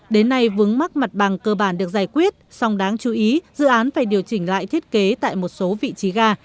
đến nay vướng mắc mặt bằng cơ bản được giải quyết song đáng chú ý dự án phải điều chỉnh lại thiết kế tại một số vị trí ga